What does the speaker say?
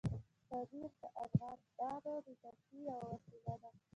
پامیر د افغانانو د تفریح یوه وسیله ده.